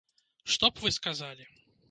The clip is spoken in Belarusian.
Што б вы сказалі?